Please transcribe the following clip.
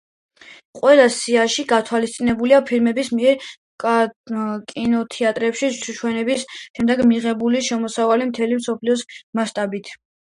ყველა სიაში, გათვალისწინებულია ფილმის მიერ კინოთეატრებში ჩვენების შედეგად მიღებული შემოსავალი მთელი მსოფლიოს მასშტაბით.